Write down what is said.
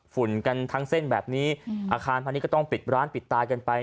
ฝุ่นกันทั้งเส้นแบบนี้อาคารพาณิชย์ก็ต้องปิดร้านปิดตายกันไป